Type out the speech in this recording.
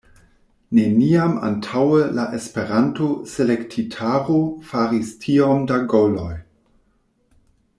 Neniam antaŭe la Esperanto-Selektitaro faris tiom da goloj.